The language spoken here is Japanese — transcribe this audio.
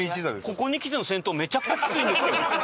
ここにきての先頭めちゃくちゃきついんですけど。